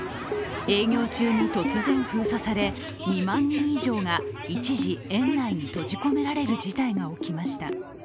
営業中に突然封鎖され、２万人以上が一時、園内に閉じ込められる事態が起きました。